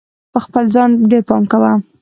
په خپل ځان ډېر پام کوه!